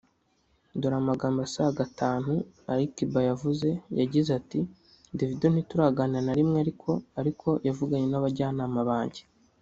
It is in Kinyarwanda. dore amagambo asaga atantu alikiba yavuze yagize ati “ Davido ntituraganira na rimwe ariko ariko yavuganye n’abajyanama banjye